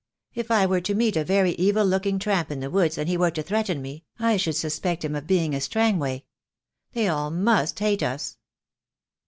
If I were to meet a very evil looking tramp in the woods and he were to threaten me, I should suspect him of being a Strangway. They all must hate us."